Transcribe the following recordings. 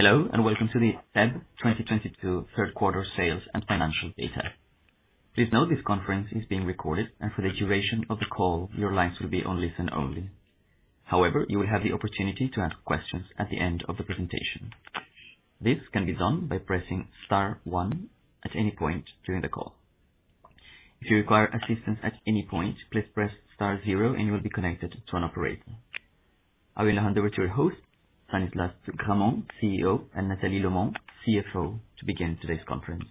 Hello, and welcome to the SEB 2022 third quarter sales and financial data. Please note this conference is being recorded, and for the duration of the call, your lines will be on listen only. However, you will have the opportunity to ask questions at the end of the presentation. This can be done by pressing star one at any point during the call. If you require assistance at any point, please press star zero, and you will be connected to an operator. I will now hand over to your host, Stanislas de Gramont, CEO, and Nathalie Lomon, CFO, to begin today's conference.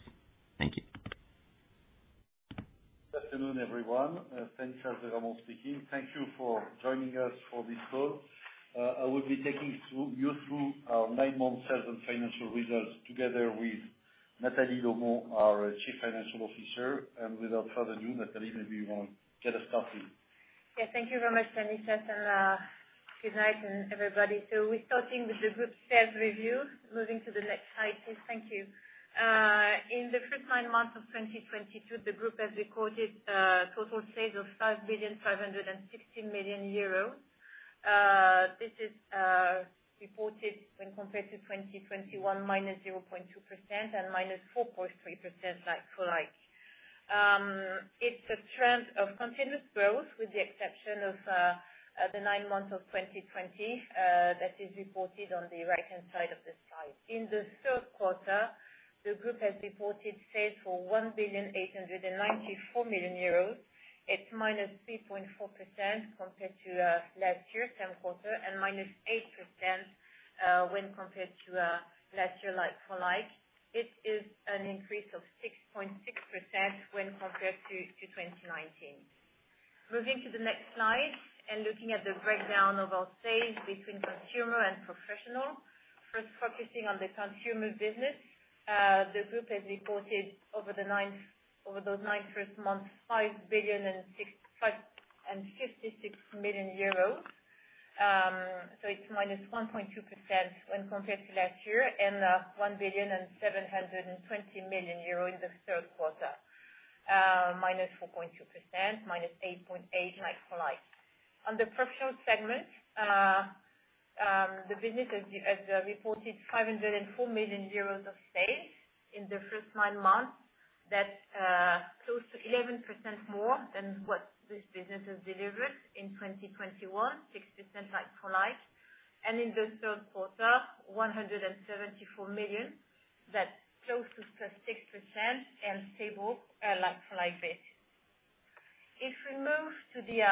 Thank you. Good afternoon, everyone. Stanislas de Gramont speaking. Thank you for joining us for this call. I will be taking you through our nine-month sales and financial results together with Nathalie Lomon, our Chief Financial Officer. Without further ado, Nathalie, maybe you wanna get us started. Yeah. Thank you very much, Stanislas, and good night, everybody. We're starting with the group sales review. Moving to the next slide, please. Thank you. In the first nine months of 2022, the group has recorded total sales of 5.56 billion euros. This is reported when compared to 2021 -0.2% and -4.3% like-for-like. It's a trend of continuous growth with the exception of the nine months of 2020 that is reported on the right-hand side of the slide. In the third quarter, the group has reported sales for 1.894 billion euros. It's -3.4% compared to last year's same quarter, and -8% when compared to last year like-for-like. It is an increase of 6.6% when compared to 2019. Moving to the next slide, looking at the breakdown of our sales between consumer and professional. First, focusing on the consumer business. The group has reported over the first nine months, EUR 5.566 billion. It's -1.2% when compared to last year, and 1.72 billion in the third quarter, -4.2%, -8.8% like-for-like. On the professional segment, the business has reported 504 million euros of sales in the first nine months. That's close to 11% more than what this business has delivered in 2021, 6% like-for-like. In the third quarter, 174 million, that's close to +6% and stable like-for-like basis. If we move to the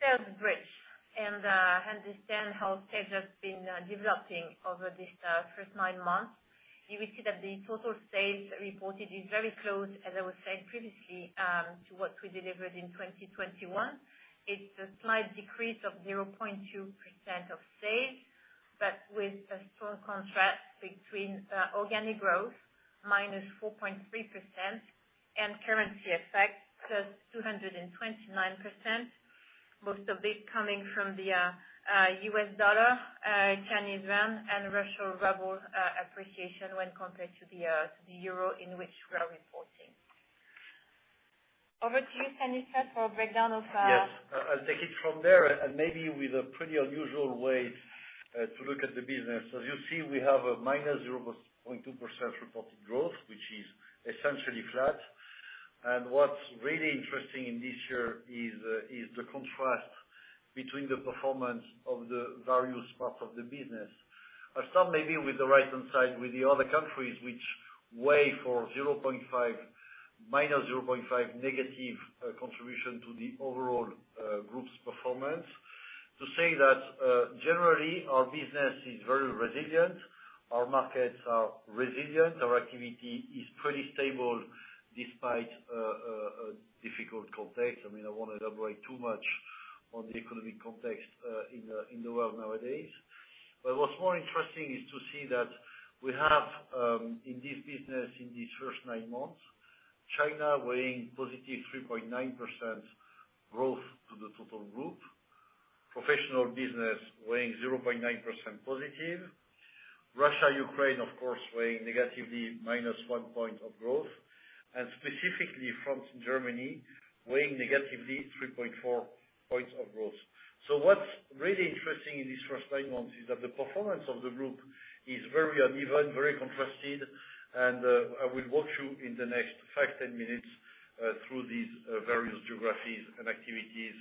sales bridge and understand how sales has been developing over this first nine months, you will see that the total sales reported is very close, as I was saying previously, to what we delivered in 2021. It's a slight decrease of 0.2% of sales, but with a strong contrast between organic growth -4.3% and currency effect +229%, most of this coming from the US dollar, Chinese yuan, and Russian ruble appreciation when compared to the euro, in which we are reporting. Over to you, Stanislas, for a breakdown of. Yes. I'll take it from there and maybe with a pretty unusual way to look at the business. As you see, we have a -0.2% reported growth, which is essentially flat. What's really interesting in this year is the contrast between the performance of the various parts of the business. I'll start maybe with the right-hand side, with the other countries which weigh -0.5 negative contribution to the overall group's performance. To say that, generally our business is very resilient, our markets are resilient, our activity is pretty stable despite a difficult context. I mean, I won't elaborate too much on the economic context in the world nowadays. What's more interesting is to see that we have in this business, in these first nine months, China weighing positive 3.9% growth to the total group, professional business weighing 0.9% positive. Russia, Ukraine, of course, weighing negatively minus 1 point of growth, and specifically France and Germany weighing negatively 3.4 points of growth. What's really interesting in these first nine months is that the performance of the group is very uneven, very contrasted, and I will walk you in the next 5, 10 minutes through these various geographies and activities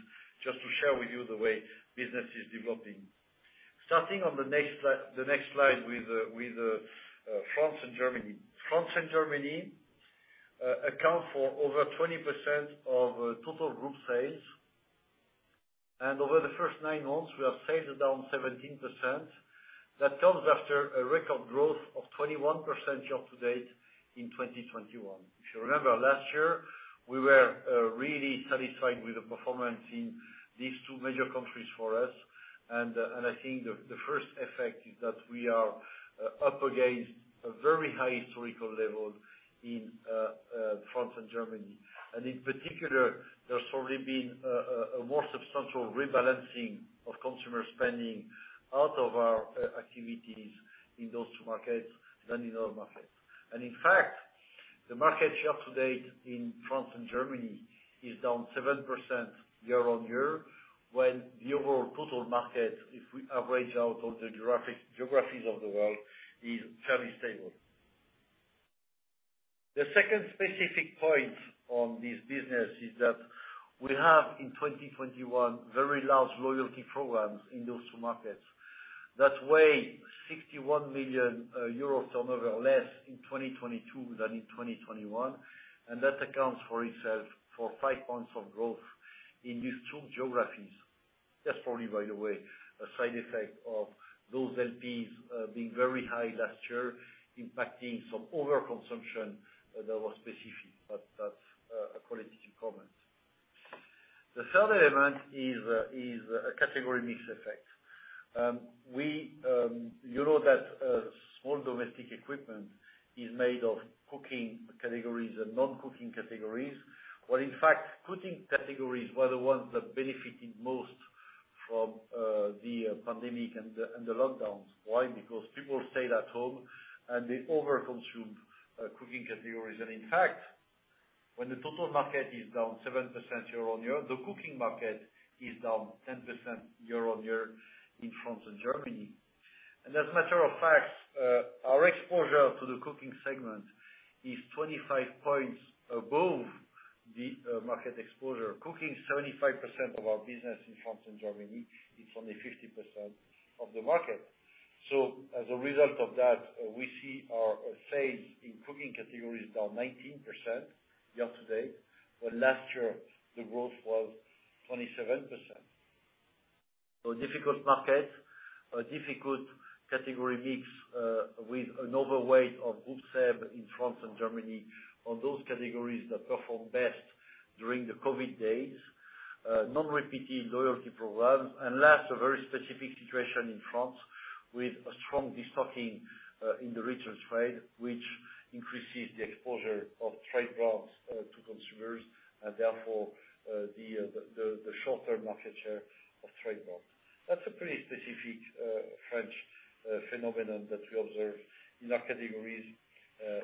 just to share with you the way business is developing. Starting on the next slide with France and Germany. France and Germany account for over 20% of total group sales. Over the first nine months, our sales are down 17%. That comes after a record growth of 21% year to date in 2021. If you remember, last year, we were really satisfied with the performance in these two major countries for us. I think the first effect is that we are up against a very high historical level in France and Germany. In particular, there's already been a more substantial rebalancing of consumer spending out of our activities in those two markets than in other markets. In fact, the market share to date in France and Germany is down 7% year-on-year, when the overall total market, if we average out all the geographies of the world, is fairly stable. The second specific point on this business is that we have, in 2021, very large loyalty programs in those two markets. That weigh 61 million euro turnover less in 2022 than in 2021. That accounts for itself for 5% of growth in these two geographies. That's probably, by the way, a side effect of those LPs being very high last year, impacting some overconsumption that was specific, but that's a qualitative comment. The third element is a category mix effect. You know that small domestic appliances is made of cooking categories and non-cooking categories, where in fact, cooking categories were the ones that benefited most from the pandemic and the lockdowns. Why? Because people stayed at home and they overconsumed cooking categories. In fact, when the total market is down 7% year-on-year, the cooking market is down 10% year-on-year in France and Germany. As a matter of fact, our exposure to the cooking segment is 25 points above the market exposure. Cooking is 75% of our business in France and Germany. It's only 50% of the market. As a result of that, we see our sales in cooking categories down 19% year to date, when last year the growth was 27%. Difficult market, a difficult category mix, with an overweight of group sales in France and Germany on those categories that performed best during the COVID days. Non-repeating loyalty programs. Last, a very specific situation in France with a strong destocking in the retail trade, which increases the exposure of trade brands to consumers, and therefore, the short-term market share of trade brands. That's a pretty specific French phenomenon that we observe in our categories.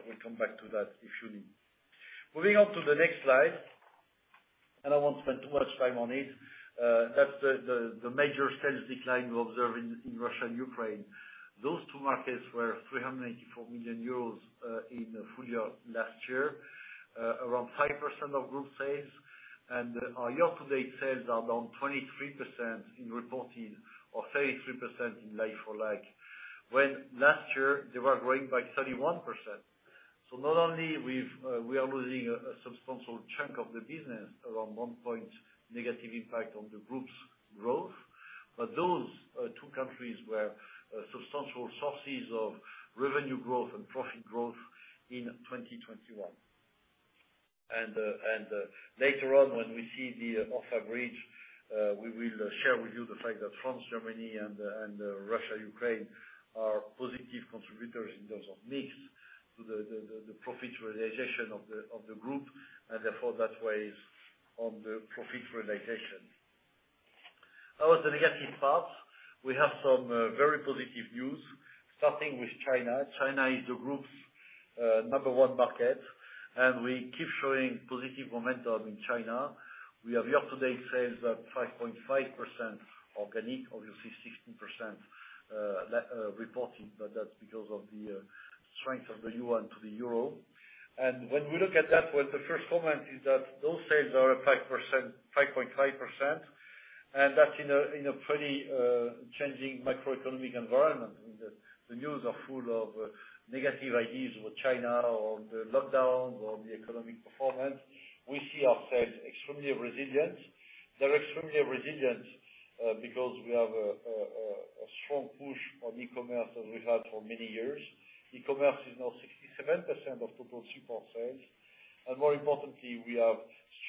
We'll come back to that if you need. Moving on to the next slide, and I won't spend too much time on it. That's the major sales decline we observe in Russia and Ukraine. Those two markets were 384 million euros in full year last year. Around 5% of group sales and our year to date sales are down 23% in reported or 33% in like-for-like, when last year they were growing by 31%. Not only we are losing a substantial chunk of the business, around 1% negative impact on the group's growth, but those two countries were substantial sources of revenue growth and profit growth in 2021. Later on when we see the EBIT bridge, we will share with you the fact that France, Germany and Russia, Ukraine are positive contributors in terms of mix to the profit realization of the group, and therefore that weighs on the profit realization. Other than the activity parts, we have some very positive news starting with China. China is the group's number one market, and we keep showing positive momentum in China. We have year-to-date sales at 5.5% organic. Obviously 16%, like reported, but that's because of the strength of the yuan to the euro. When we look at that, well, the first comment is that those sales are at 5%, 5.5%, and that's in a pretty changing macroeconomic environment. I mean, the news are full of negative ideas with China on the lockdown or the economic performance. We see our sales extremely resilient. They're extremely resilient because we have a strong push on e-commerce as we had for many years. E-commerce is now 67% of total Supor sales. More importantly, we have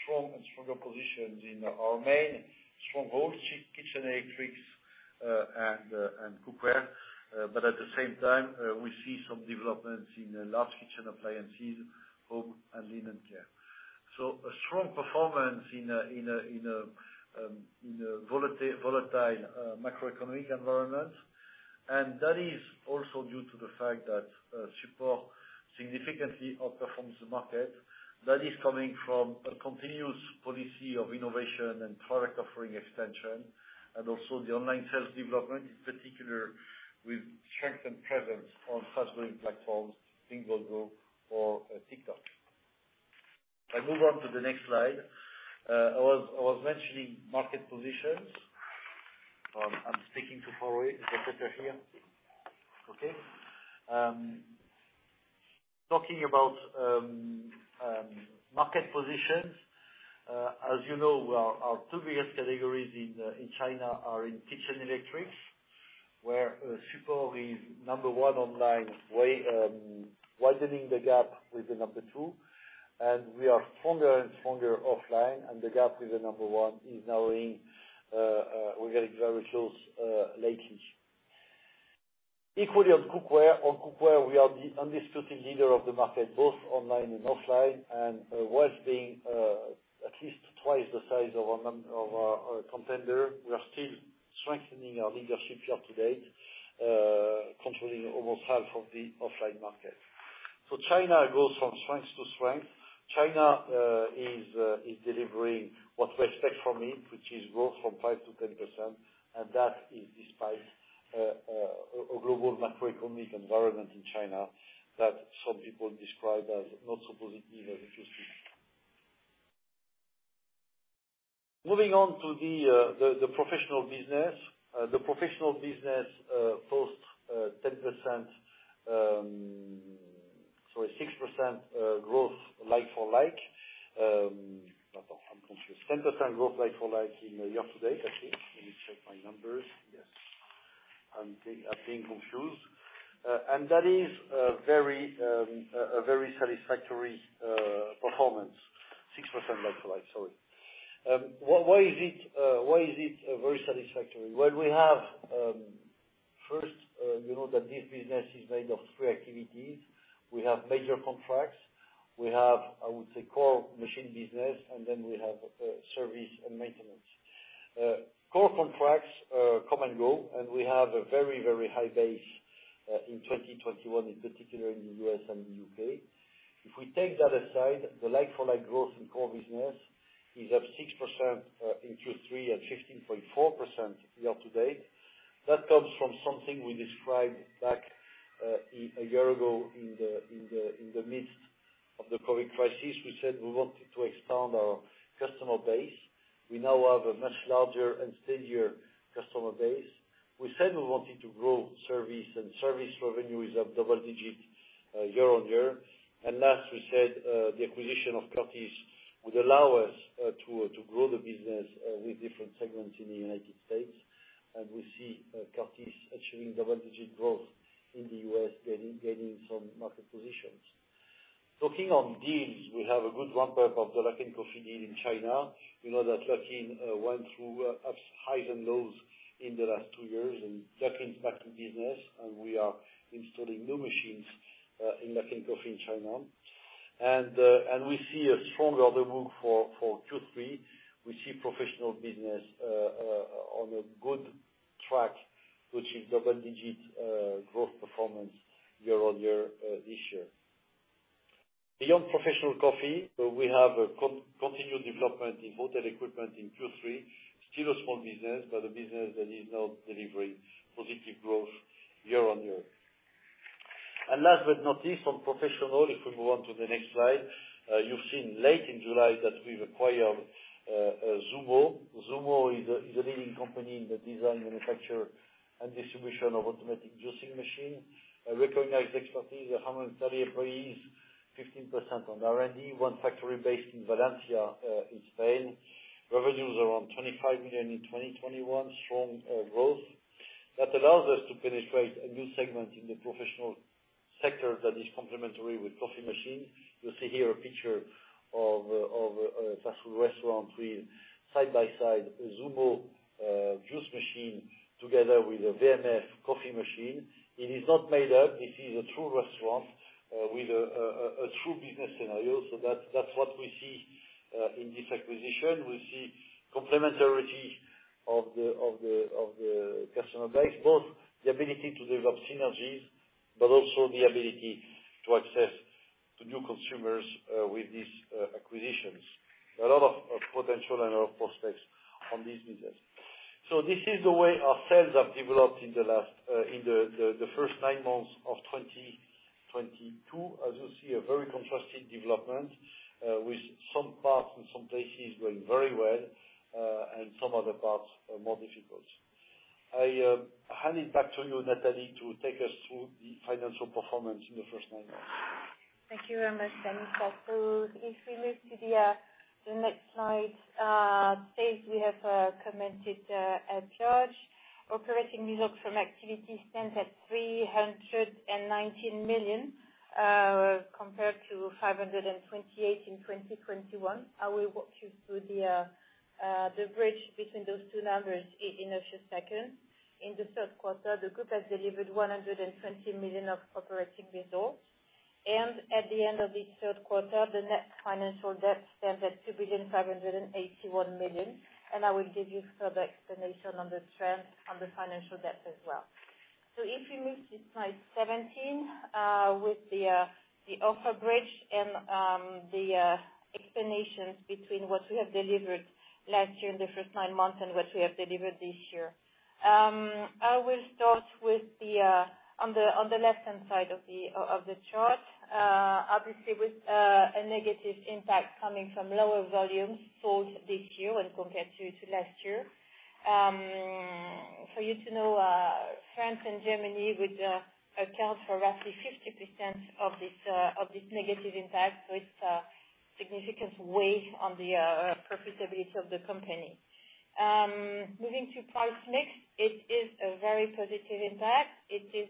strong and stronger positions in our main strongholds, kitchen electrics, and cookware. But at the same time, we see some developments in large kitchen appliances, home and linen care. A strong performance in a volatile macroeconomic environment. That is also due to the fact that Supor significantly outperforms the market. That is coming from a continuous policy of innovation and product offering extension, and also the online sales development, in particular with strength and presence on fast-growing platforms, Pinduoduo or TikTok. If I move on to the next slide. I was mentioning market positions. I'm speaking too far away. Is that better here? Okay. Talking about market positions. As you know, our two biggest categories in China are in kitchen electrics, where Supor is number one online, way widening the gap with the number two. We are stronger and stronger offline. The gap with the number one is now in We're getting very close lately. Equally on cookware. On cookware we are the undisputed leader of the market, both online and offline. While being at least twice the size of our contender, we are still strengthening our leadership year-to-date, controlling almost half of the offline market. China goes from strength to strength. China is delivering what we expect from it, which is growth from 5%-10%, and that is despite a global macroeconomic environment in China that some people describe as not supposedly very interesting. Moving on to the professional business. The professional business posts 10%. Sorry, 6% growth like-for-like. I'm confused. 10% growth like-for-like year-to-date, actually. Let me check my numbers. Yes. I'm being confused. That is a very satisfactory performance. 6% like-for-like, sorry. Why is it very satisfactory? Well, we have, first, you know that this business is made of three activities. We have major contracts. We have, I would say, core machine business, and then we have service and maintenance. Core contracts come and go, and we have a very high base in 2021, in particular in the U.S. and the U.K. If we take that aside, the like-for-like growth in core business is up 6% in Q3 at 15.4% year-to-date. That comes from something we described back a year ago in the midst of the COVID crisis. We said we wanted to expand our customer base. We now have a much larger and steadier customer base. We said we wanted to grow service, and service revenue is up double digits year-on-year. Last we said, the acquisition of Curtis would allow us to grow the business with different segments in the United States. We see Curtis achieving double-digit growth in the U.S., gaining some market positions. Talking on deals, we have a good ramp-up of the Luckin Coffee deal in China. We know that Luckin went through highs and lows in the last two years, and Luckin's back in business, and we are installing new machines in Luckin Coffee in China. We see a strong order book for Q3. We see professional business on a good track, which is double-digit growth performance year-on-year this year. Beyond professional coffee, we have continued development in hotel equipment in Q3. Still a small business, but a business that is now delivering positive growth year-on-year. Last but not least, on professional, if we go on to the next slide, you've seen late in July that we've acquired Zummo. Zummo is a leading company in the design, manufacture, and distribution of automatic juicing machines. A recognized expertise of 130 employees, 15% on R&D, one factory based in Valencia in Spain. Revenues around 25 million in 2021. Strong growth. That allows us to penetrate a new segment in the professional sector that is complementary with coffee machines. You'll see here a picture of fast food restaurant with side-by-side Zummo juice machine together with a WMF coffee machine. It is not made up. This is a true restaurant with a true business scenario. That's what we see in this acquisition. We see complementarity of the customer base, both the ability to develop synergies, but also the ability to access to new consumers with these acquisitions. A lot of potential and a lot of prospects on this business. This is the way our sales have developed in the first nine months of 2022. As you see, a very contrasting development with some parts and some places going very well and some other parts are more difficult. I hand it back to you, Nathalie, to take us through the financial performance in the first nine months. Thank you very much, Stanislas de Gramont. If we move to the next slide, sales, we have commented at large. Operating results from activity stand at 319 million compared to 528 in 2021. I will walk you through the bridge between those two numbers in a few seconds. In the third quarter, the group has delivered 120 million of operating results. At the end of this third quarter, the net financial debt stands at 2.581 billion, and I will give you further explanation on the trend on the financial debt as well. If we move to slide 17, with the EBIT bridge and the explanations between what we have delivered last year in the first nine months and what we have delivered this year. I will start on the left-hand side of the chart. Obviously, with a negative impact coming from lower volumes both this year when compared to last year. For you to know, France and Germany would account for roughly 50% of this negative impact with significant weight on the profitability of the company. Moving to price mix, it is a very positive impact. It is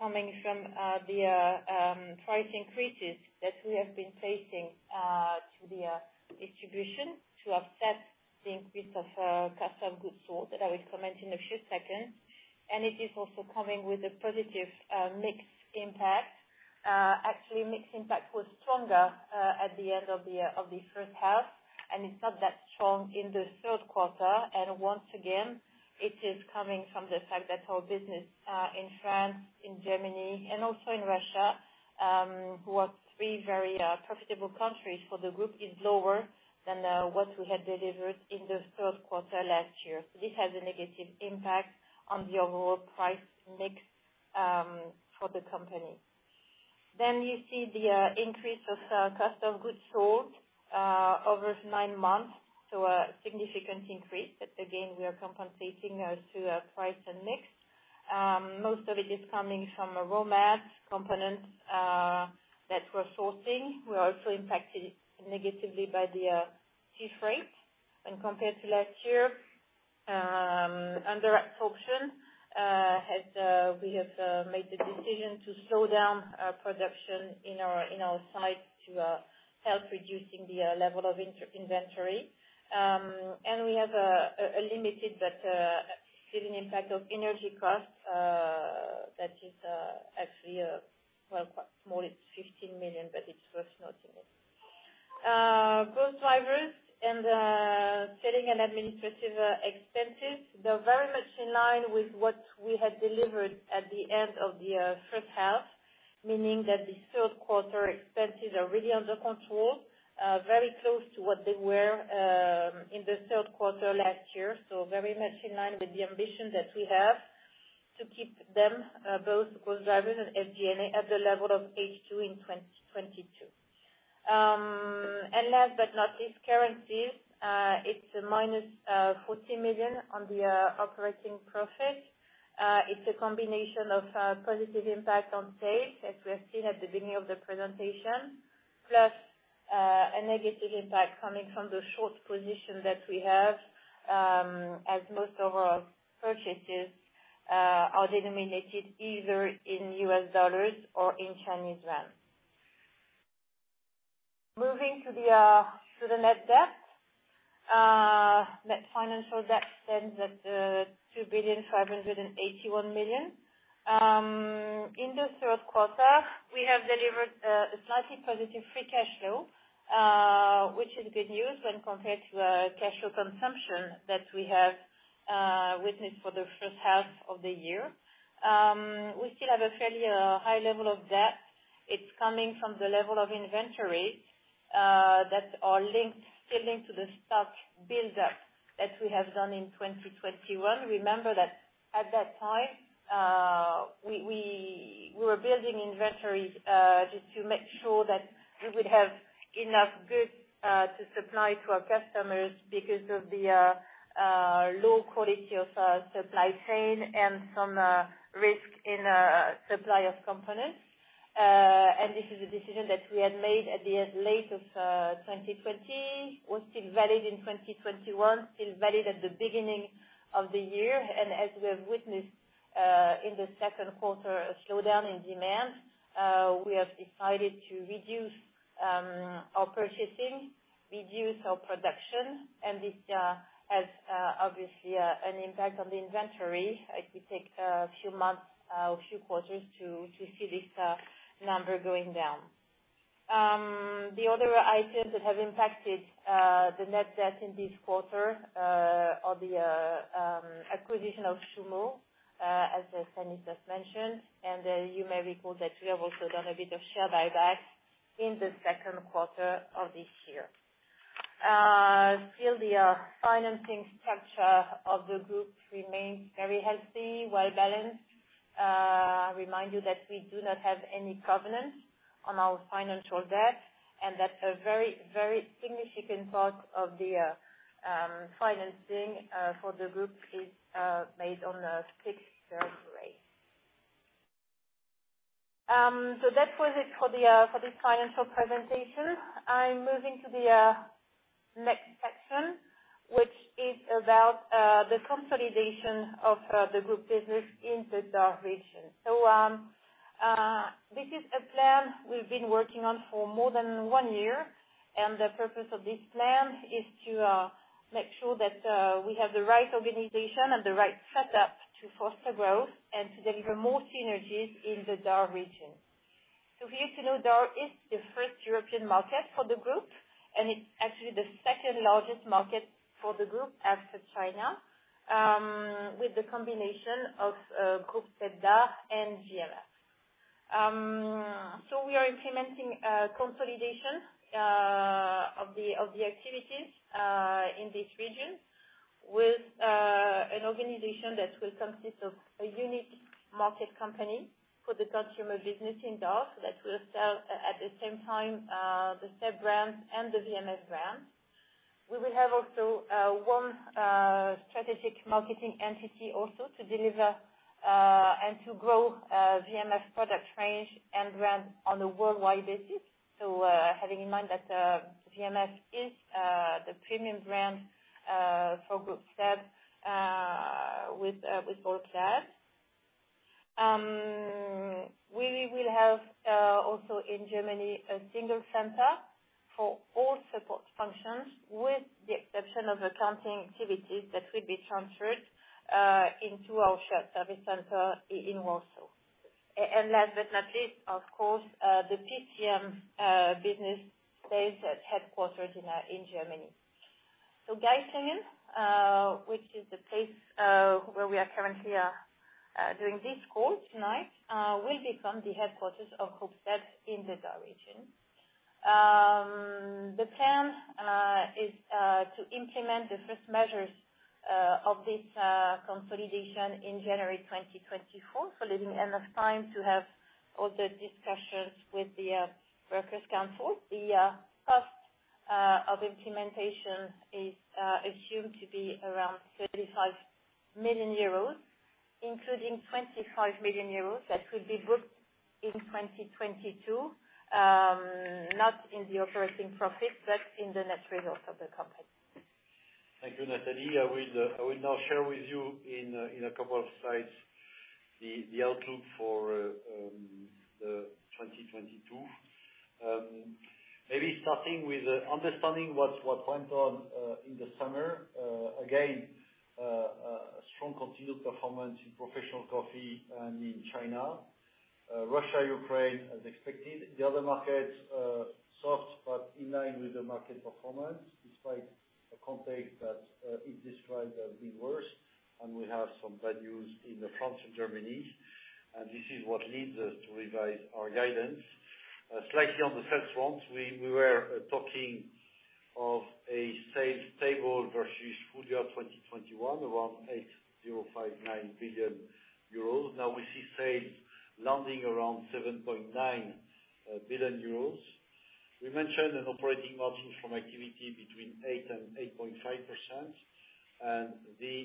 coming from the price increases that we have been facing to the distribution to offset the increase of cost of goods sold that I will comment in a few seconds. It is also coming with a positive mix impact. Actually, mixed impact was stronger at the end of the first half, and it's not that strong in the third quarter. Once again, it is coming from the fact that our business in France, in Germany, and also in Russia who are three very profitable countries for the group is lower than what we had delivered in the third quarter last year. This has a negative impact on the overall price mix for the company. You see the increase of cost of goods sold over nine months, so a significant increase. Again, we are compensating as to price and mix. Most of it is coming from raw materials components that we're sourcing. We're also impacted negatively by the sea freight when compared to last year. Under-absorption, we have made the decision to slow down production in our sites to help reducing the level of inventory. We have a limited but still an impact of energy costs that is actually well, more or less 15 million, but it's worth noting it. Growth drivers and selling and administrative expenses, they're very much in line with what we had delivered at the end of the first half, meaning that the third quarter expenses are really under control, very close to what they were in the third quarter last year. Very much in line with the ambition that we have to keep them both growth drivers and SG&A at the level of H2 in 2022. Last but not least, currencies. It's -14 million on the operating profit. It's a combination of positive impact on sales, as we have seen at the beginning of the presentation, plus a negative impact coming from the short position that we have, as most of our purchases are denominated either in US dollars or in Chinese yuan. Moving to the net debt. Net financial debt stands at 2,581 million. In the third quarter, we have delivered a slightly positive free cash flow, which is good news when compared to cash flow consumption that we have witnessed for the first half of the year. We still have a fairly high level of debt. It's coming from the level of inventory that are linked, still linked to the stock buildup that we have done in 2021. Remember that at that time, we were building inventories just to make sure that we would have enough goods to supply to our customers because of the low quality of supply chain and some risk in supply of components. This is a decision that we had made at the end of 2020, was still valid in 2021, still valid at the beginning of the year. As we have witnessed in the second quarter, a slowdown in demand, we have decided to reduce our purchasing, reduce our production, and this has obviously an impact on the inventory. It could take a few months or few quarters to see this number going down. The other items that have impacted the net debt in this quarter are the acquisition of Zummo, as Stanislas mentioned. You may recall that we have also done a bit of share buyback in the second quarter of this year. Still the financing structure of the group remains very healthy, well-balanced. I remind you that we do not have any covenants on our financial debt, and that a very, very significant part of the financing for the group is made on a fixed rate. That was it for the financial presentation. I'm moving to the next section, which is about the consolidation of the group business in the DACH region. This is a plan we've been working on for more than one year, and the purpose of this plan is to make sure that we have the right organization and the right setup to foster growth and to deliver more synergies in the DACH region. For you to know, DACH is the first European market for the group, and it's actually the second largest market for the group after China, with the combination of Groupe SEB DACH and WMF. We are implementing a consolidation of the activities in this region with an organization that will consist of a unique market company for the consumer business in DACH that will sell at the same time the SEB brand and the WMF brand. We will have also one strategic marketing entity also to deliver and to grow WMF product range and brand on a worldwide basis. Having in mind that WMF is the premium brand for Groupe SEB with both DACH. We will have also in Germany a single center for all support functions, with the exception of accounting activities that will be transferred into our shared service center in Warsaw. Last but not least, of course, the WMF business stays at headquarters in Germany. Geislingen, which is the place where we are currently doing this call tonight, will become the headquarters of Groupe SEB in the DACH region. The plan is to implement the first measures of this consolidation in January 2024 for leaving enough time to have all the discussions with the works council. The cost of implementation is assumed to be around 35 million euros, including 25 million euros that will be booked in 2022, not in the operating profit, but in the net results of the company. Thank you, Nathalie. I will now share with you in a couple of slides the outlook for 2022. Maybe starting with understanding what went on in the summer. Again, a strong continued performance in professional coffee and in China. Russia, Ukraine as expected. The other markets, soft but in line with the market performance despite a context that in this slide has been worse and we have some bad news in France and Germany. This is what leads us to revise our guidance. Slightly on the sales front, we were talking of sales stable versus full year 2021, around 8.059 billion euros. Now we see sales landing around 7.9 billion euros. We mentioned an operating margin from activity between 8% and 8.5%. The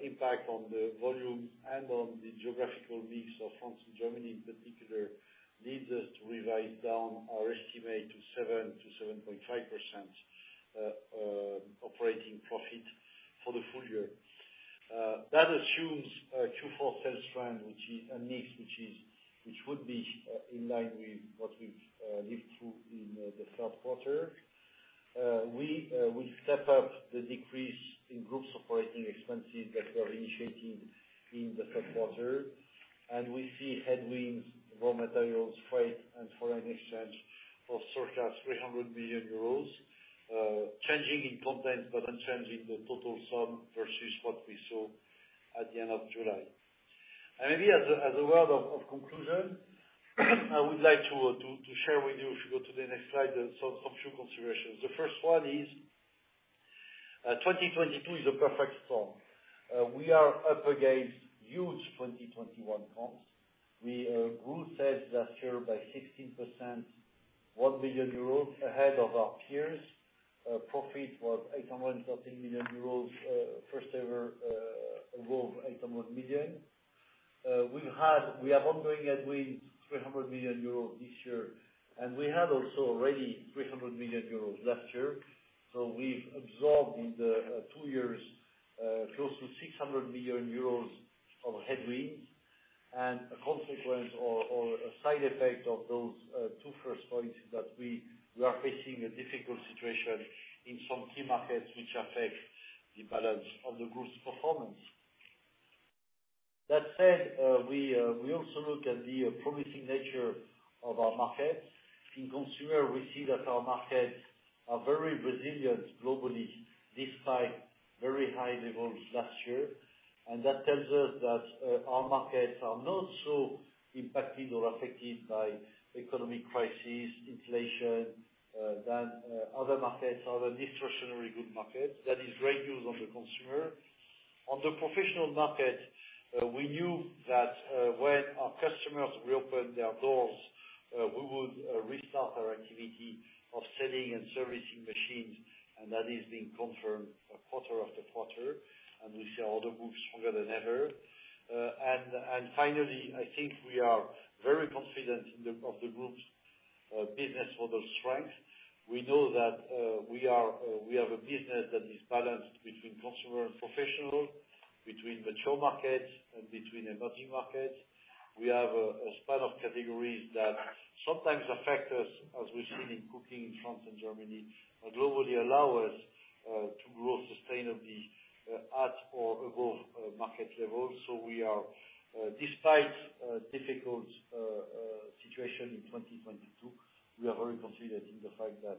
impact on the volume and on the geographical mix of France and Germany in particular leads us to revise down our estimate to 7%-7.5% operating profit for the full year. That assumes a Q4 sales trend which would be in line with what we've lived through in the third quarter. We will step up the decrease in Group's operating expenses that we are initiating in the third quarter. We see headwinds, raw materials, freight, and foreign exchange of circa 300 million euros changing in content but unchanging the total sum versus what we saw at the end of July. Maybe as a word of conclusion, I would like to share with you, if you go to the next slide, some few considerations. The first one is, 2022 is a perfect storm. We are up against huge 2021 comps. We grew sales last year by 16%, 1 billion euros ahead of our peers. Profit was 813 million euros, first ever above 800 million. We have ongoing headwinds, 300 million euros this year, and we had also already 300 million euros last year. We've absorbed in the two years close to 600 million euros of headwinds. A consequence or a side effect of those two first points is that we are facing a difficult situation in some key markets which affect the balance of the group's performance. That said, we also look at the promising nature of our markets. In consumer, we see that our markets are very resilient globally, despite very high levels last year. That tells us that our markets are not so impacted or affected by economic crisis, inflation, than other markets, other discretionary good markets. That is great news on the consumer. On the professional market, we knew that when our customers reopen their doors, we would restart our activity of selling and servicing machines, and that is being confirmed quarter after quarter, and we see all the groups stronger than ever. Finally, I think we are very confident in the strength of the group's business model. We know that we have a business that is balanced between consumer and professional, between mature markets and between emerging markets. We have a span of categories that sometimes affect us, as we've seen in cooking in France and Germany, but globally allow us to grow sustainably at or above market levels. We are, despite a difficult situation in 2022, very confident in the fact that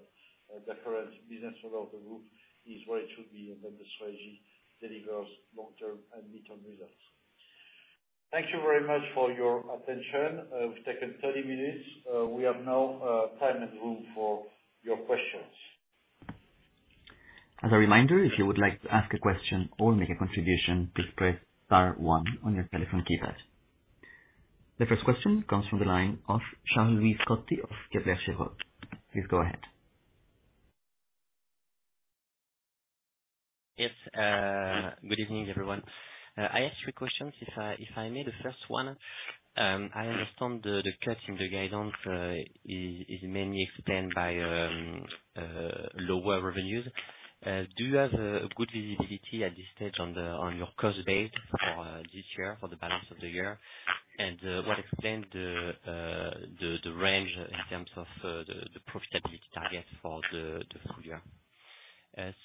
the current business model of the group is where it should be, and that the strategy delivers long-term and midterm results. Thank you very much for your attention. We've taken 30 minutes. We have now time and room for your questions. As a reminder, if you would like to ask a question or make a contribution, please press star one on your telephone keypad. The first question comes from the line of Charles-Louis Scotti of Kepler Cheuvreux. Please go ahead. Yes. Good evening, everyone. I have three questions if I may. The first one, I understand the cut in the guidance is mainly explained by lower revenues. Do you have good visibility at this stage on your cost base for this year, for the balance of the year? What explained the range in terms of the profitability target for the full year?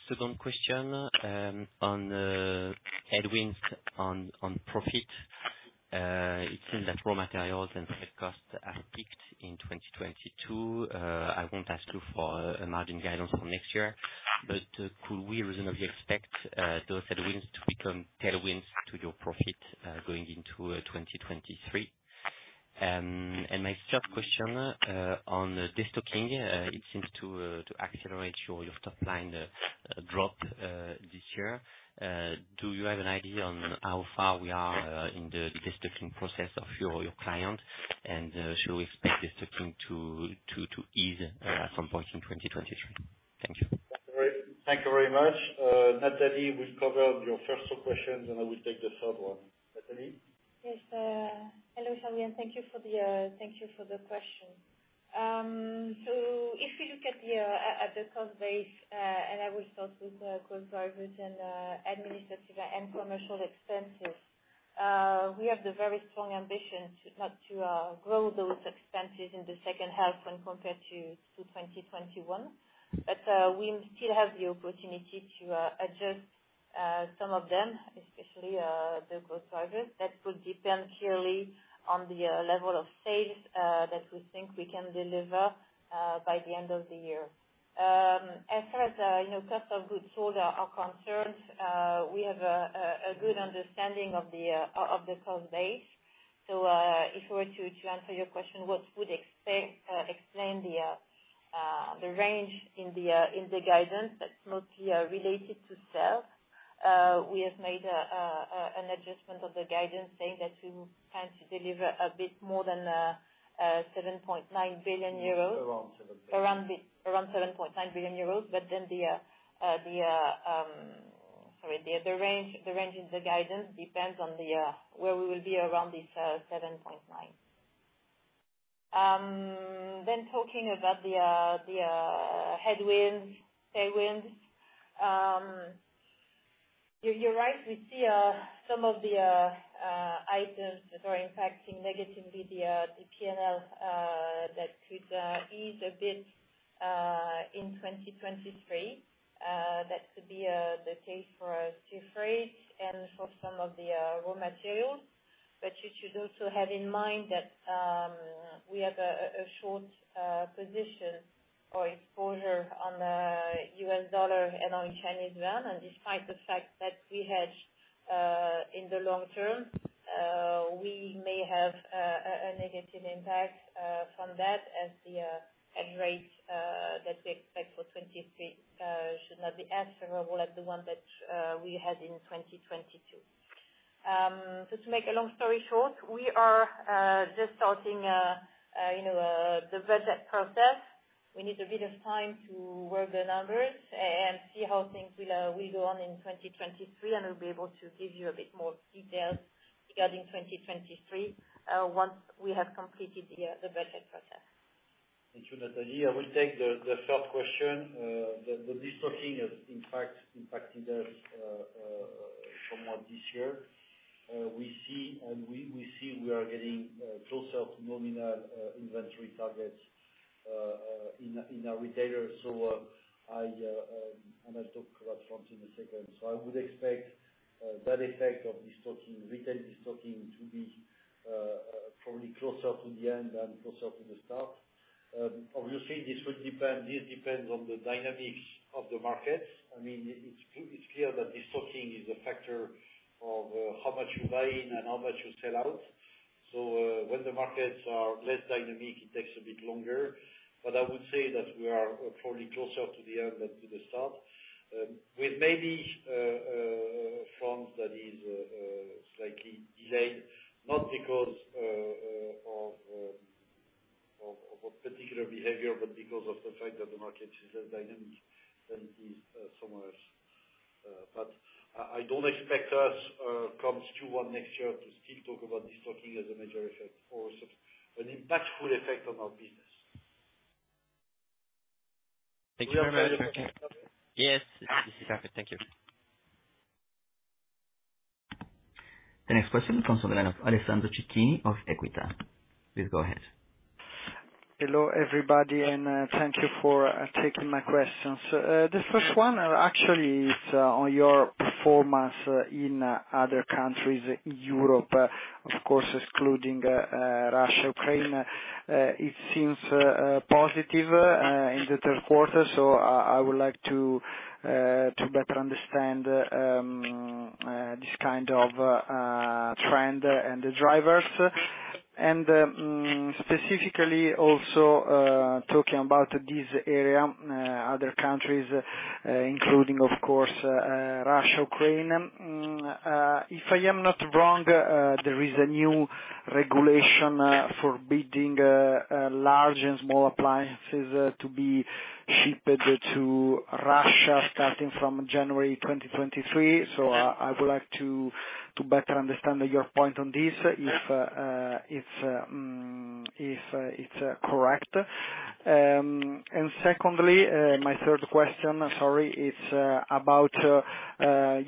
Second question, on the headwinds on profit. It seems that raw materials and SG&A costs have peaked in 2022. I won't ask you for a margin guidance for next year, but could we reasonably expect those headwinds to become tailwinds to your profit, going into 2023? My third question, on the destocking. It seems to accelerate your top line drop this year. Do you have an idea on how far we are in the destocking process of your client? Should we expect destocking to ease at some point in 2023? Thank you. All right. Thank you very much. Nathalie will cover your first two questions, and I will take the third one. Nathalie? Yes, hello, Fabien, thank you for the question. If you look at the cost base, and I will start with growth drivers and administrative and commercial expenses, we have the very strong ambition to not grow those expenses in the second half when compared to 2021. We still have the opportunity to adjust some of them, especially the growth drivers that could depend clearly on the level of sales that we think we can deliver by the end of the year. As far as, you know, cost of goods sold are concerned, we have a good understanding of the cost base. If we were to answer your question, what would explain the range in the guidance that's mostly related to sales, we have made an adjustment of the guidance saying that we plan to deliver a bit more than 7.9 billion euros. Around EUR 7 billion. Around 7.9 billion euros. The range in the guidance depends on where we will be around this 7.9. When talking about the headwinds, tailwinds, you're right, we see some of the items that are impacting negatively the P&L that could ease a bit in 2023. That could be the case for sea freight and for some of the raw materials. You should also have in mind that we have a short position or exposure on US dollar and on Chinese yuan. Despite the fact that we hedge in the long term, we may have a negative impact from that as the hedge rate that we expect for 2023 should not be as favorable as the one that we had in 2022. Just to make a long story short, we are just starting, you know, the budget process. We need a bit of time to work the numbers and see how things will go on in 2023, and we'll be able to give you a bit more details regarding 2023 once we have completed the budget process. Thank you, Nathalie. I will take the third question. The destocking has in fact impacted us somewhat this year. We see we are getting closer to nominal inventory targets in our retailers. I'll talk about France in a second. I would expect that effect of destocking, retail destocking to be probably closer to the end than closer to the start. Obviously this depends on the dynamics of the markets. I mean, it's clear that destocking is a factor of how much you buy in and how much you sell out. When the markets are less dynamic, it takes a bit longer. I would say that we are probably closer to the end than to the start, with maybe France that is slightly delayed, not because of a particular behavior, but because of the fact that the market is less dynamic than it is somewhere else. I don't expect us, come Q1 next year, to still talk about destocking as a major effect or an impactful effect on our business. Thank you very much. Do you have any other questions? Yes. This is Fabien. Thank you. The next question comes on the line of Alessandro Cecchini of Equita. Please go ahead. Hello, everybody, and thank you for taking my questions. The first one actually is on your performance in other countries, Europe, of course, excluding Russia, Ukraine. It seems positive in the third quarter, so I would like to better understand this kind of trend and the drivers. Specifically also talking about this area, other countries, including of course Russia, Ukraine. If I am not wrong, there is a new regulation forbidding large and small appliances to be shipped to Russia starting from January 2023. I would like to better understand your point on this, if it's correct. Secondly, my third question, sorry, is about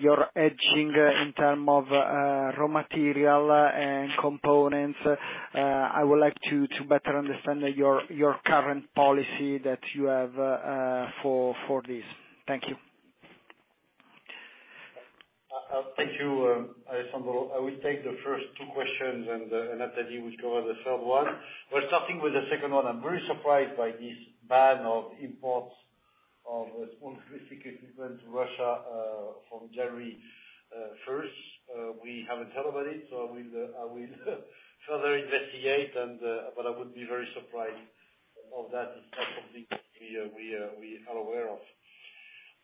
your hedging in terms of raw material and components. I would like to better understand your current policy that you have for this. Thank you. Thank you, Alessandro. I will take the first two questions and Nathalie will cover the third one. Starting with the second one, I'm very surprised by this ban of imports of Small Domestic Appliances to Russia from January first. We haven't heard about it, so I will further investigate and but I would be very surprised of that. It's not something we are aware of.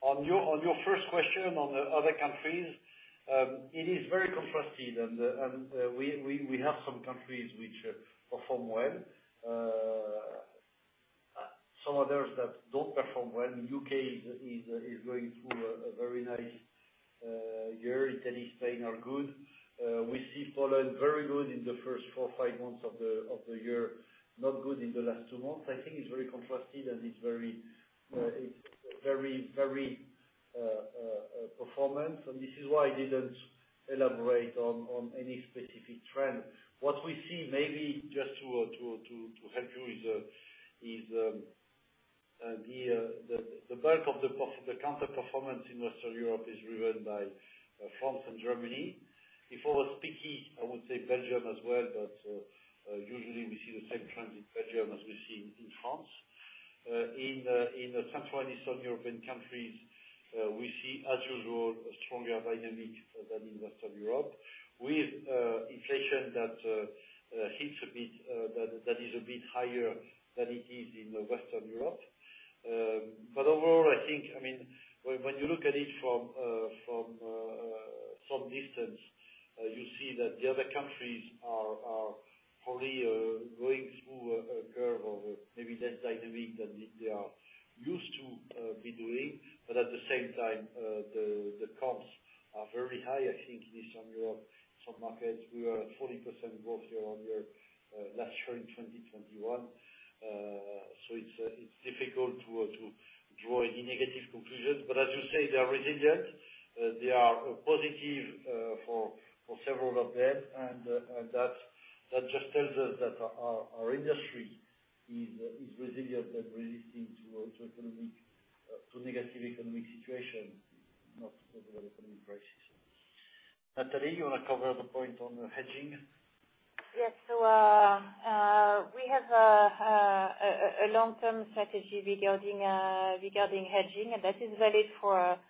On your first question on other countries, it is very contrasted and we have some countries which perform well, some others that don't perform well. UK is going through a very nice year. Italy, Spain are good. We see Poland very good in the first 4 or 5 months of the year, not good in the last 2 months. I think it's very contrasted and it's very poor performance, and this is why I didn't elaborate on any specific trend. What we see maybe just to help you is the bulk of the underperformance in Western Europe is driven by France and Germany. If I was picky, I would say Belgium as well, but usually we see the same trend in Belgium as we see in France. In the Central and Eastern European countries, we see as usual a stronger dynamic than in Western Europe with inflation that is a bit higher than it is in Western Europe. Overall, I think, I mean, when you look at it from some distance, you see that the other countries are probably going through a curve of maybe less dynamic than they are used to be doing. At the same time, the costs are very high, I think, in Eastern Europe. Some markets we were at 40% growth year-on-year last year in 2021. It's difficult to draw any negative conclusion. As you say, they are resilient. They are positive for several of them. That just tells us that our industry is resilient and resistant to negative economic situation, not to the economic crisis. Nathalie, you wanna cover the point on the hedging? Yes. We have a long-term strategy regarding hedging, and that is valid for currencies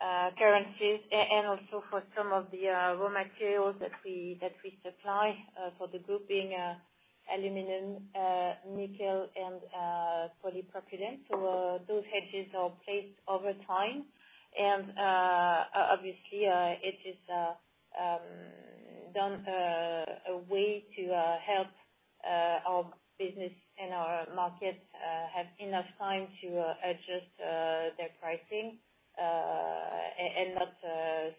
and also for some of the raw materials that we supply for the group, being aluminum, nickel and polypropylene. Those hedges are placed over time. Obviously, it is done in a way to help our business and our markets have enough time to adjust their pricing and not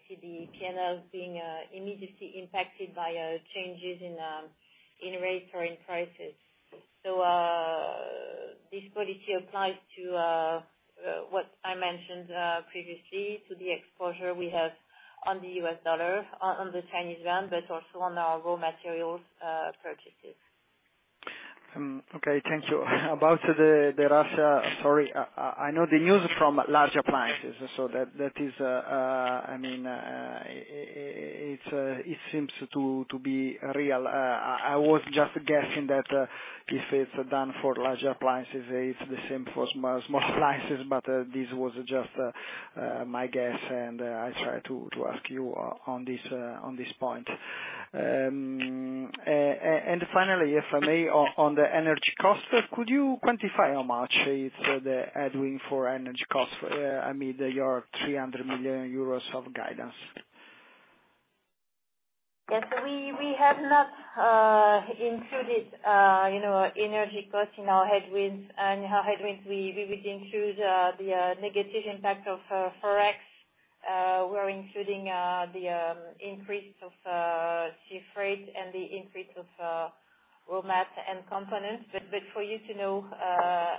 see the P&Ls being immediately impacted by changes in rates or in prices. This policy applies to what I mentioned previously to the exposure we have on the US dollar, on the Chinese yuan, but also on our raw materials purchases. Okay, thank you. About Russia, sorry, I know the news from large appliances, so that is, I mean, it seems to be real. I was just guessing that if it's done for large appliances, it's the same for small appliances. But this was just my guess, and I try to ask you on this point. Finally, if I may, on the energy cost, could you quantify how much it's the headwind for energy cost? I mean your 300 million euros of guidance. Yes. We have not included, you know, energy cost in our headwinds. In our headwinds, we would include the negative impact of Forex. We're including the increase of sea freight and the increase of raw materials and components. For you to know,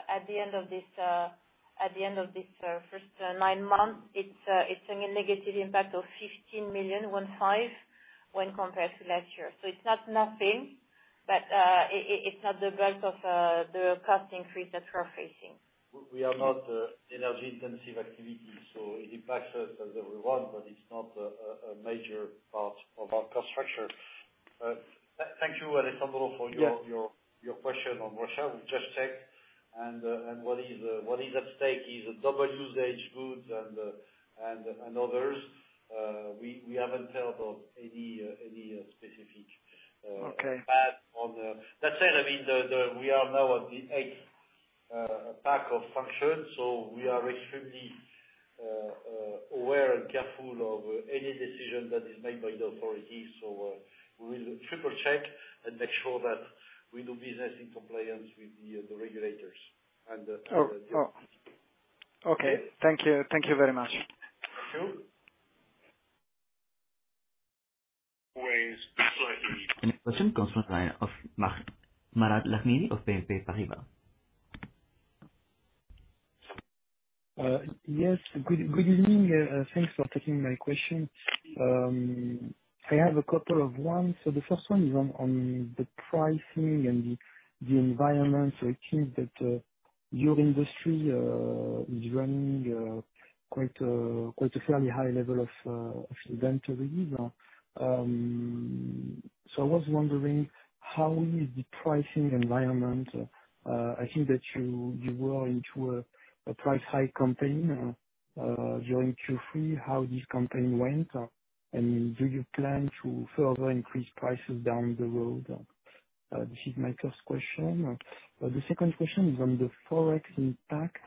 at the end of this first nine months, it's a negative impact of 15 million when compared to last year. It's not nothing, but it's not the bulk of the cost increase that we're facing. We are not energy intensive activity, so it impacts us as everyone, but it's not a major part of our cost structure. Thank you, Alessandro, for your- Yes. Your question on Russia. We just checked and what is at stake is dual-use goods and others. We haven't heard of any specific Okay. That said, I mean, we are now at the eighth pack of sanctions, so we are extremely aware and careful of any decision that is made by the authorities. We will triple check and make sure that we do business in compliance with the regulators and Oh, oh. Yes. Okay. Thank you. Thank you very much. Thank you. The next question comes from the line of Mahad Laghni of BNP Paribas. Yes, good evening. Thanks for taking my question. I have a couple of questions. The first one is on the pricing and the environment. It seems that your industry is running quite a fairly high level of inventory now. I was wondering how is the pricing environment? I think that you were into a price hike campaign during Q3. How this campaign went, and do you plan to further increase prices down the road? This is my first question. The second question is on the forex impact.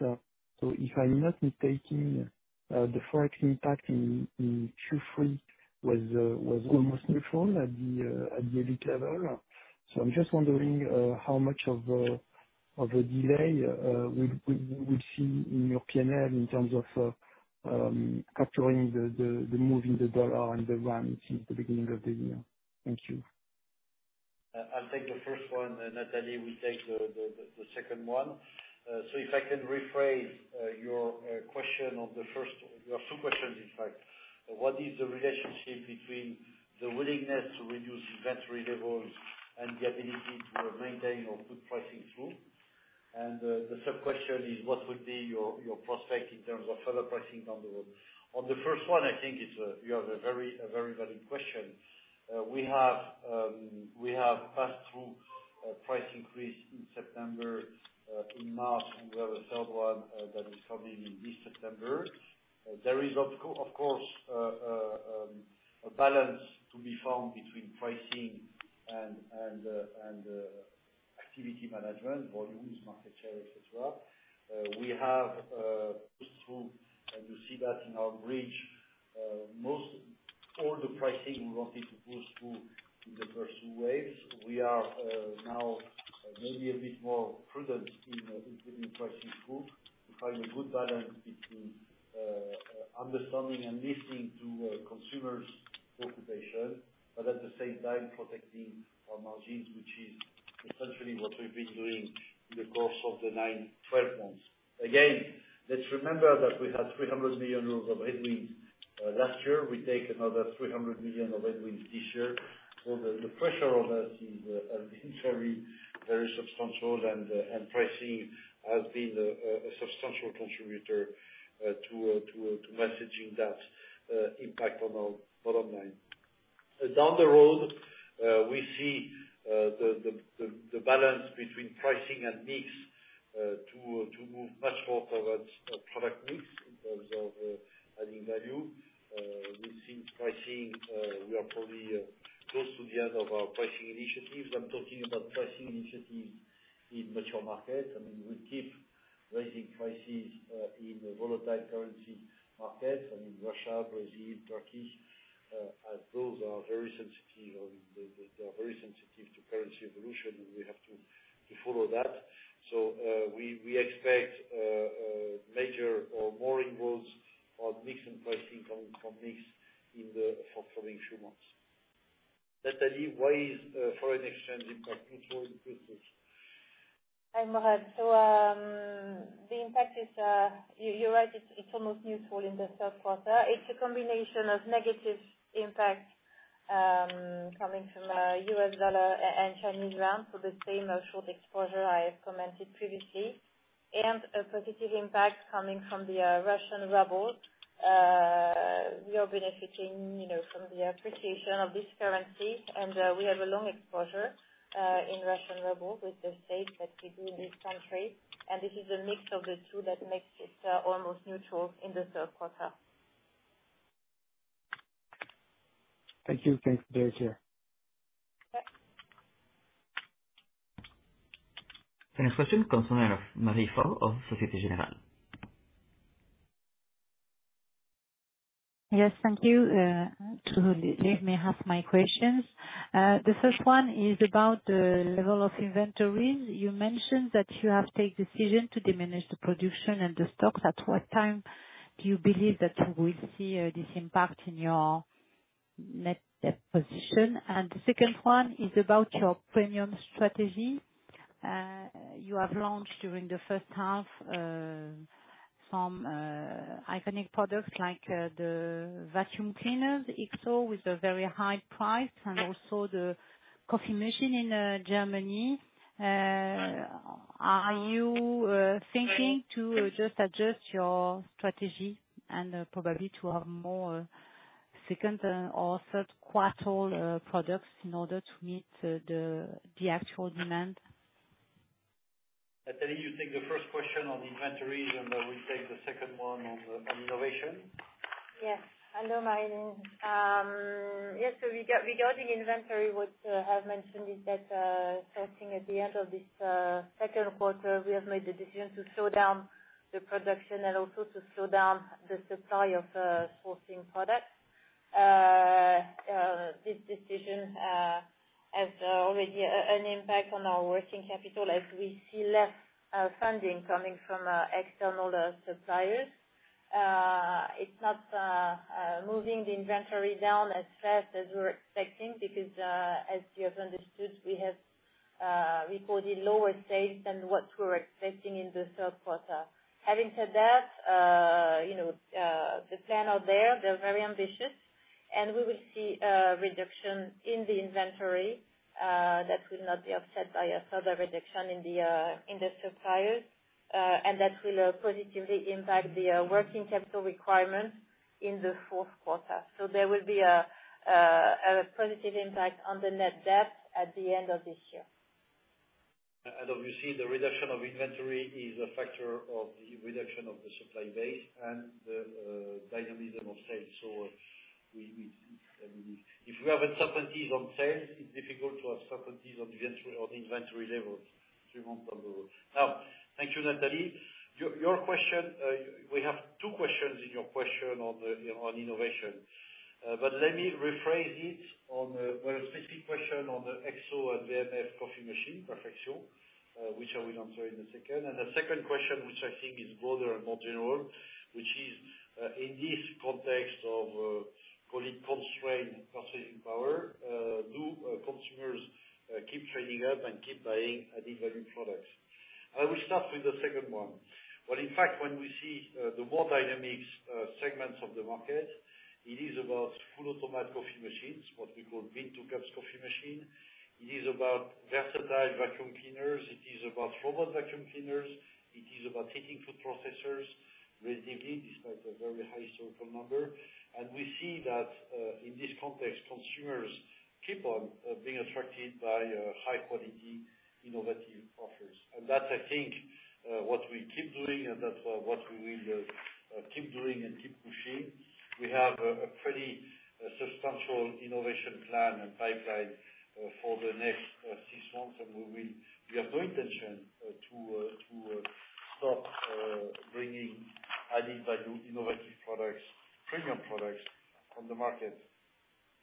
If I'm not mistaken, the forex impact in Q3 was almost neutral at the EBIT level. I'm just wondering how much of the delay we'll see in your P&L in terms of capturing the move in the dollar and the rand since the beginning of the year? Thank you. I'll take the first one, and Nathalie will take the second one. If I can rephrase your question on the first. You have two questions in fact. What is the relationship between the willingness to reduce inventory levels and the ability to maintain or put pricing through? The sub-question is what would be your prospect in terms of further pricing down the road? On the first one, I think you have a very valid question. We have passed through a price increase in September. In March, we have a third one that is coming this September. There is of course a balance to be found between pricing and activity management, volumes, market share, et cetera. We have pushed through, and you see that in our bridge, most all the pricing we wanted to push through in the first two waves. We are now maybe a bit more prudent in putting pricing through to find a good balance between understanding and listening to consumers' expectations, but at the same time protecting our margins, which is essentially what we've been doing in the course of the 9, 12 months. Again, let's remember that we had 300 million euros of headwinds last year. We take another 300 million of headwinds this year. The pressure on us has been very, very substantial, and pricing has been a substantial contributor to mitigating that impact on our bottom line. Down the road, we see the balance between pricing and mix to move much more towards product mix in terms of adding value. We think pricing, we are probably close to the end of our pricing initiatives. I'm talking about pricing initiatives in mature markets. I mean, we keep raising prices in the volatile currency markets, I mean, Russia, Brazil, Turkey, as those are very sensitive to currency evolution, and we have to follow that. We expect more involvement of mix and pricing from mix for the following few months. Nathalie, why is foreign exchange impact neutral in Q3? Hi, Mahad. The impact is, you're right, it's almost neutral in the third quarter. It's a combination of negative impact coming from U.S. dollar and Chinese yuan, for the same short exposure I have commented previously, and a positive impact coming from the Russian ruble. We are benefiting, you know, from the appreciation of this currency, and we have a long exposure in Russian rubles with the sales that we do in this country. This is a mix of the two that makes it almost neutral in the third quarter. Thank you. Thanks. Cheers. Bye. The next question comes from the line of Marie Faure of Société Générale. Yes, thank you. The first one is about the level of inventories. You mentioned that you have taken decision to diminish the production and the stocks. At what time do you believe that you will see this impact in your net debt position? The second one is about your premium strategy. You have launched during the first half some iconic products like the vacuum cleaners, X-Force, with a very high price and also the coffee machine in Germany. Are you thinking to just adjust your strategy and probably to have more second or third quarter products in order to meet the actual demand? Nathalie, you take the first question on inventories, and I will take the second one on innovation. Yes. Hello, Marie. Yes, so regarding inventory, what I have mentioned is that starting at the end of this second quarter, we have made the decision to slow down the production and also to slow down the supply of sourcing products. This decision has already an impact on our working capital as we see less funding coming from external suppliers. It's not moving the inventory down as fast as we were expecting because as you have understood, we have recorded lower sales than what we were expecting in the third quarter. Having said that, you know, the plan out there, they're very ambitious, and we will see a reduction in the inventory that will not be offset by a further reduction in the suppliers. That will positively impact the working capital requirements in the fourth quarter. There will be a positive impact on the net debt at the end of this year. Obviously, the reduction of inventory is a factor of the reduction of the supply base and the dynamism of sales. I mean, if we have uncertainties on sales, it's difficult to have certainties on inventory, on inventory levels three months down the road. Now, thank you, Nathalie. Your question, we have two questions in your question on innovation. Let me rephrase it on a very specific question on the XO and WMF coffee machine, Perfection, which I will answer in a second. The second question, which I think is broader and more general, which is in this context of call it constrained purchasing power, do consumers keep trading up and keep buying added-value products? I will start with the second one. Well, in fact, when we see the more dynamic segments of the market, it is about fully automatic coffee machines, what we call bean-to-cup coffee machine. It is about versatile vacuum cleaners. It is about robot vacuum cleaners. It is about heating food processors with a very high historical number. We see that in this context, consumers keep on being attracted by high-quality, innovative offers. That's, I think, what we keep doing, and that's what we will keep doing and keep pushing. We have a pretty substantial innovation plan and pipeline for the next six months, and we will. We have no intention to stop bringing added-value, innovative products, premium products on the market.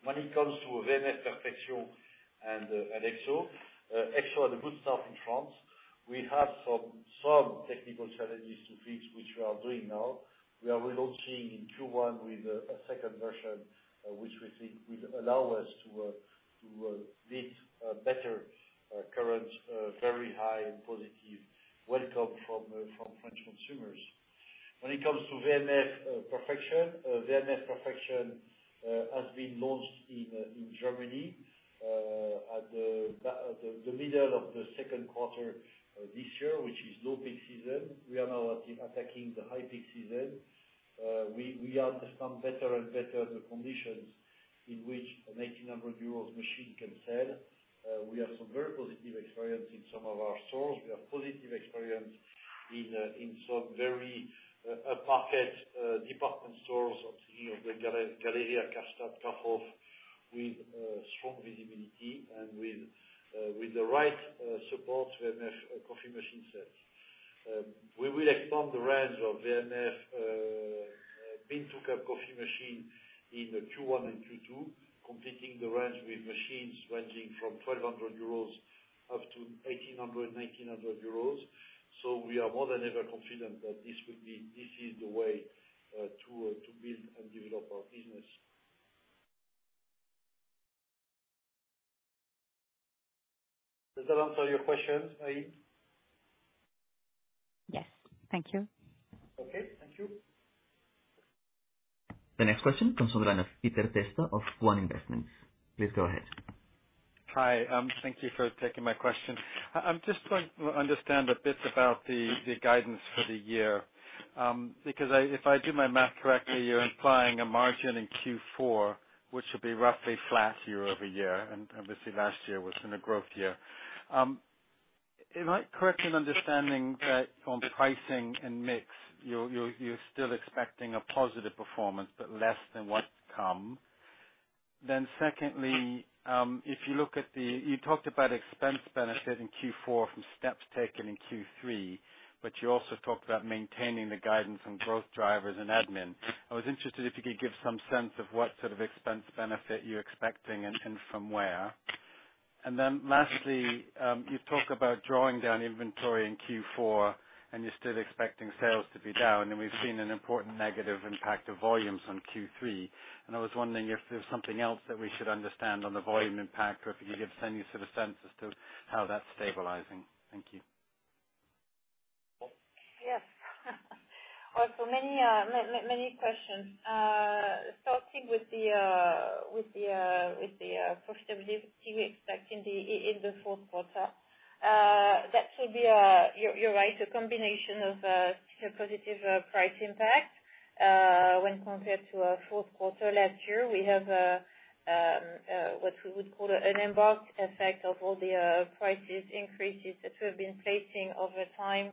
When it comes to WMF Perfection and XO. XO had a good start in France. We had some technical challenges to fix, which we are doing now. We are relaunching in Q1 with a second version, which we think will allow us to meet a better current very high and positive welcome from French consumers. When it comes to WMF Perfection, WMF Perfection has been launched in Germany at the middle of the second quarter this year, which is low peak season. We are now attacking the high peak season. We understand better and better the conditions in which a 1,800 euros machine can sell. We have some very positive experience in some of our stores. We have positive experience in some very upmarket department stores. I'm thinking of Galeria Kaufhof, Karstadt, with strong visibility and with the right support WMF coffee machine sales. We will expand the range of WMF bean-to-cup coffee machine in Q1 and Q2, completing the range with machines ranging from 1,200 euros up to 1,800-1,900 euros. We are more than ever confident that this is the way to build and develop our business. Does that answer your question, Marie-Line Fort? Yes. Thank you. Okay. Thank you. The next question comes from the line of Peter Testa of One Investments. Please go ahead. Hi. Thank you for taking my question. I'm just trying to understand a bit about the guidance for the year, because if I do my math correctly, you're implying a margin in Q4, which will be roughly flat year-over-year, and obviously last year was in a growth year. Am I correct in understanding that on pricing and mix, you're still expecting a positive performance, but less than what's come? Secondly, if you look at, you talked about expense benefit in Q4 from steps taken in Q3, but you also talked about maintaining the guidance on growth drivers and admin. I was interested if you could give some sense of what sort of expense benefit you're expecting and from where. Lastly, you talk about drawing down inventory in Q4, and you're still expecting sales to be down, and we've seen an important negative impact of volumes on Q3. I was wondering if there's something else that we should understand on the volume impact, or if you could give some sort of sense as to how that's stabilizing. Thank you. Paul? Yes. Also many questions. Starting with the profitability we expect in the fourth quarter. That will be, you're right, a combination of positive price impact when compared to fourth quarter last year. We have what we would call an embedded effect of all the price increases that we have been placing over time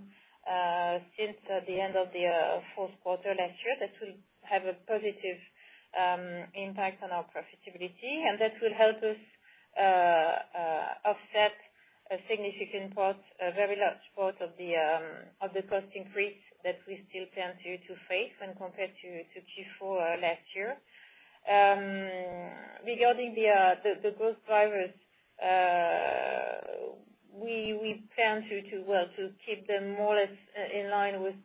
since the end of the fourth quarter last year. That will have a positive impact on our profitability, and that will help us offset a significant part, a very large part of the cost increase that we still plan to face when compared to Q4 last year. Regarding the growth drivers, we plan well, to keep them more or less in line with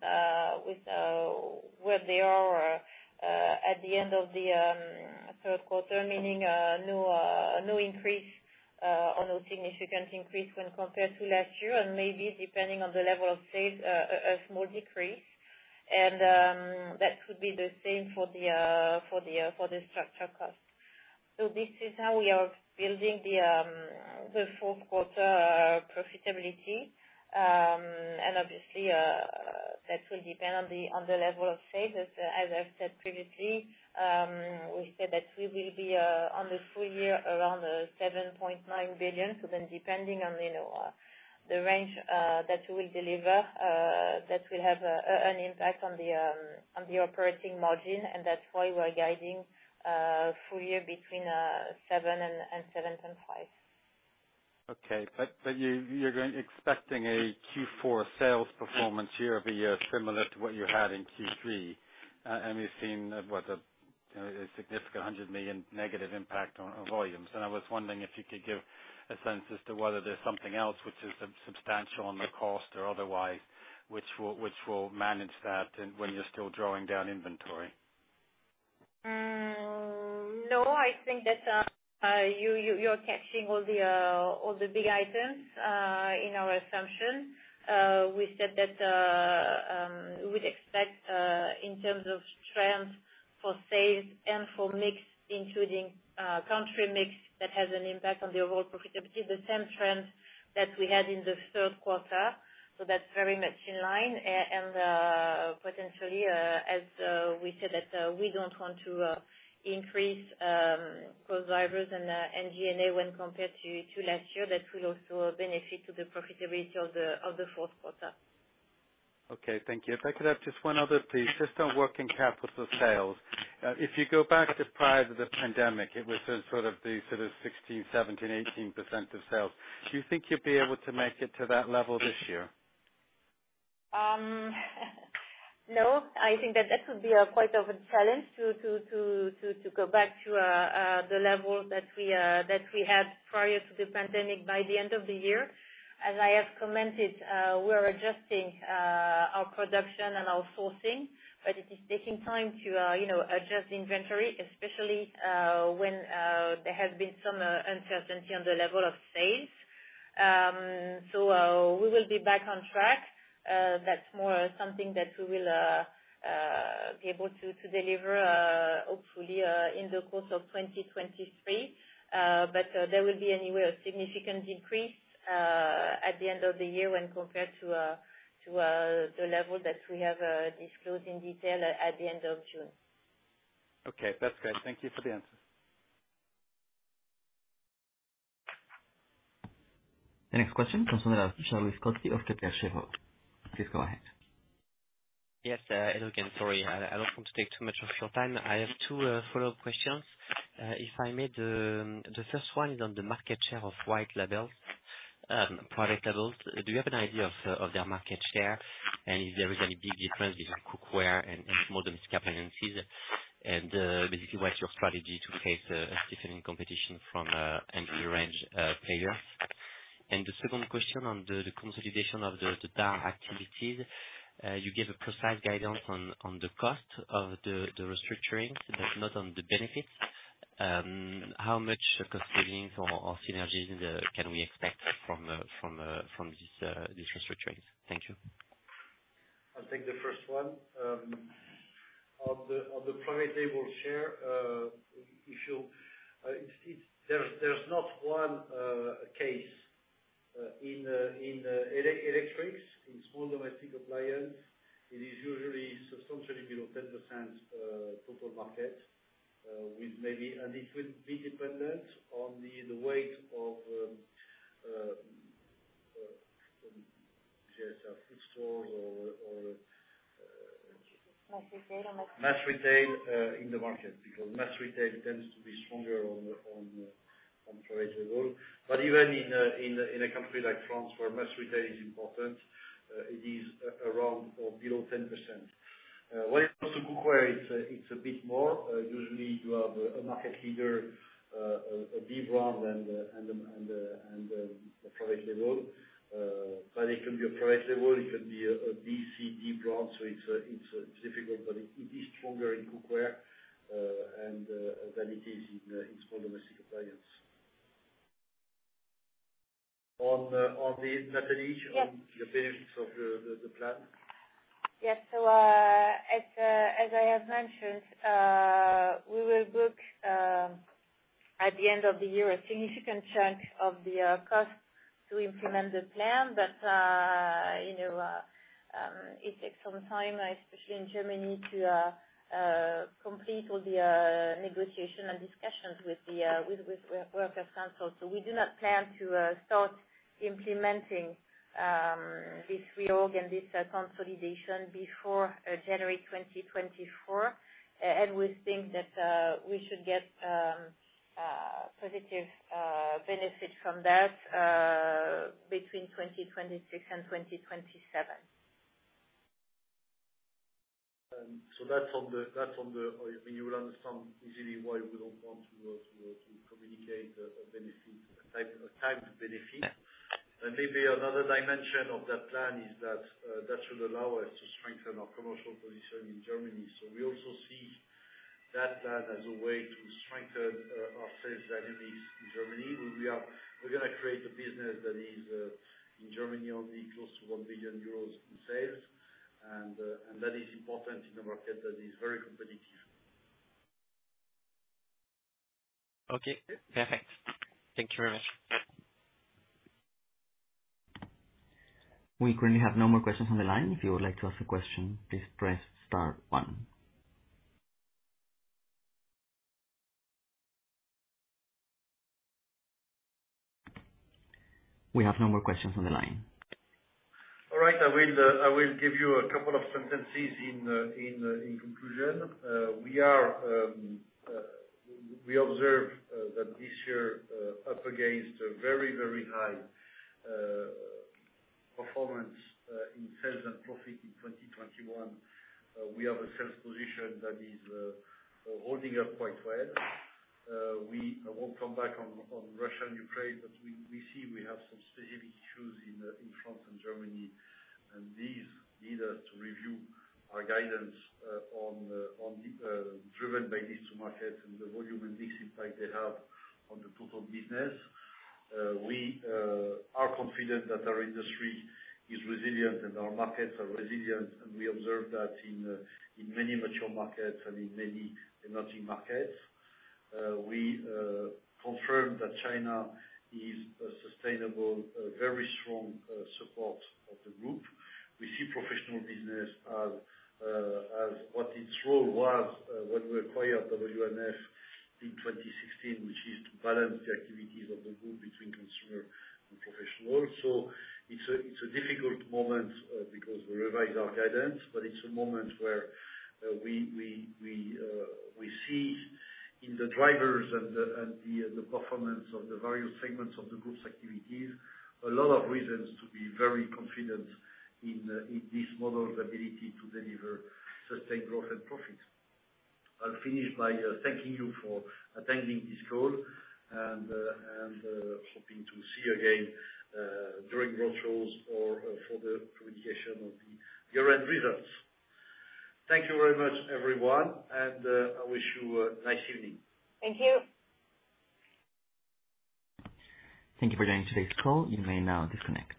where they are at the end of the third quarter, meaning no increase or no significant increase when compared to last year, and maybe depending on the level of sales a small decrease. That could be the same for the structural cost. This is how we are building the fourth quarter profitability. Obviously, that will depend on the level of sales. As I've said previously, we said that we will be on the full year around 7.9 billion. Depending on, you know, the range that we'll deliver, that will have an impact on the operating margin, and that's why we're guiding full-year between 7% and 7.5%. You're expecting a Q4 sales performance year-over-year, similar to what you had in Q3. We've seen a significant -100 million negative impact on volumes. I was wondering if you could give a sense as to whether there's something else which is substantial on the cost or otherwise, which will manage that and when you're still drawing down inventory. No, I think that you're catching all the big items in our assumption. We said that we'd expect in terms of trends for sales and for mix, including country mix, that has an impact on the overall profitability, the same trends that we had in the third quarter. That's very much in line. Potentially, as we said that we don't want to increase cost drivers and SG&A when compared to last year. That will also benefit to the profitability of the fourth quarter. Okay, thank you. If I could have just one other, please. Sure. Just on working capital sales. If you go back to prior to the pandemic, it was sort of 16%-18% of sales. Do you think you'll be able to make it to that level this year? No, I think that could be quite a challenge to go back to the level that we had prior to the pandemic by the end of the year. As I have commented, we are adjusting our production and our sourcing, but it is taking time to, you know, adjust inventory, especially when there has been some uncertainty on the level of sales. We will be back on track. That's more something that we will be able to deliver, hopefully, in the course of 2023. There will be, anyway, a significant decrease at the end of the year when compared to the level that we have disclosed in detail at the end of June. Okay. That's great. Thank you for the answer. The next question comes from Charles-Louis Scotti of Kepler Cheuvreux. Please go ahead. Yes, hello again. Sorry, I don't want to take too much of your time. I have two follow-up questions. If I may. The first one is on the market share of white labels, product labels. Do you have an idea of their market share and if there is any big difference between cookware and small domestic appliances? Basically, what's your strategy to face a stiffening competition from entry range players? The second question on the consolidation of the bar activities. You gave a precise guidance on the cost of the restructurings, but not on the benefits. How much cost savings or synergies can we expect from this restructurings? Thank you. I'll take the first one. On the private label share, if it's. There's not one case in electrics. In small domestic appliance, it is usually substantially below 10% total market, with maybe. It will be dependent on the weight of GSF stores or mass retail market. Mass retail in the market, because mass retail tends to be stronger on private label. Even in a country like France, where mass retail is important, it is around or below 10%. When it comes to cookware, it's a bit more. Usually you have a market leader, a B brand and a private label. It can be a private label. It can be a B, C, D brand. It's difficult, but it is stronger in cookware than it is in small domestic appliances. On the benefits of the plan. Yes. As I have mentioned, we will book at the end of the year a significant chunk of the cost to implement the plan. You know, it takes some time, especially in Germany, to complete all the negotiations and discussions with the works councils. We do not plan to start implementing this reorg and this consolidation before January 2024. We think that we should get positive benefit from that between 2026 and 2027. I mean, you will understand easily why we don't want to communicate a type benefit. Maybe another dimension of that plan is that that should allow us to strengthen our commercial position in Germany. We also see that plan as a way to strengthen our sales dynamics in Germany, where we're gonna create a business that is in Germany only close to 1 billion euros in sales and that is important in a market that is very competitive. Okay. Perfect. Thank you very much. We currently have no more questions on the line. If you would like to ask a question, please press star one. We have no more questions on the line. All right. I will give you a couple of sentences in conclusion. We observe that this year, up against a very high performance in sales and profit in 2021. We have a sales position that is holding up quite well. We won't come back on Russia and Ukraine, but we see we have some specific issues in France and Germany, and these lead us to review our guidance driven by these two markets and the volume and mix impact they have on the total business. We are confident that our industry is resilient and our markets are resilient, and we observe that in many mature markets and in many emerging markets. We confirm that China is a sustainable, very strong, Supor of the group. We see professional business as what its role was, when we acquired WMF in 2016, which is to balance the activities of the group between consumer and professional. It's a difficult moment, because we revised our guidance, but it's a moment where we see in the drivers and the performance of the various segments of the group's activities, a lot of reasons to be very confident in this model's ability to deliver sustained growth and profits. I'll finish by thanking you for attending this call and hoping to see you again, during roadshows or for the communication of the year-end results. Thank you very much, everyone, and I wish you a nice evening. Thank you. Thank you for joining today's call. You may now disconnect.